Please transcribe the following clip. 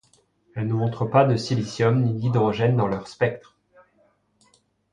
Elles ne montrent pas de silicium ni d'hydrogène dans leur spectre.